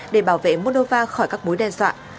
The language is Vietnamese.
để bảo vệ moldova khỏi các mối đe dọa